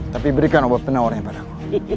tapi berikan obat penawarnya padaku